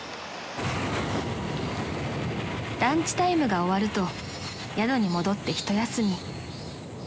［ランチタイムが終わると宿に戻ってひと休み］